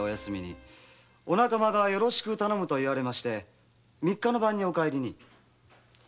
お仲間が「よろしく頼む」と言われ三日の晩にお帰りに。